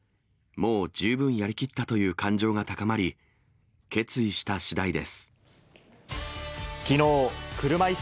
もう十分やりきったという感情が高まり、決意したしだいです。